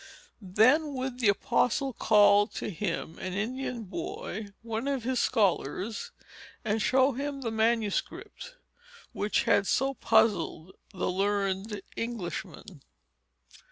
Then would the apostle call to him an Indian boy, one of his scholars, and show him the manuscript, which had so puzzled the learned Englishmen.